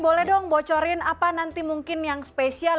boleh dong bocorin apa nanti mungkin yang spesial